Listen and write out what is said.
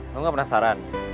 lo gak penasaran